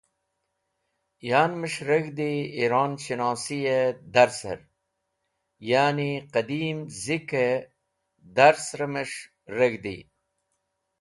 Yan’mes̃h reg̃hdi Iron-shinosi-e darser, ya’ni qidim zik-e dars’rẽmes̃h reg̃hdi.